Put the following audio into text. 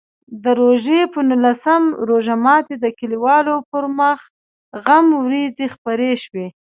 د روژې په نولسم روژه ماتي د کلیوالو پر مخ غم وریځې خپرې شوې.